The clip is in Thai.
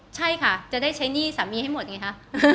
ใช่ค่ะจะได้ใช้หนี้สามีให้หมดไงคะ